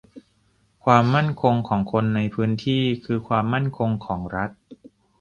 ความมั่นคงของคนในพื้นที่คือความมั่นคงของรัฐ